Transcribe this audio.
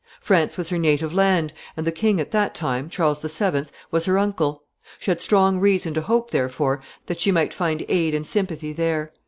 France was her native land, and the king at that time, Charles VII., was her uncle. She had strong reason to hope, therefore, that she might find aid and sympathy there.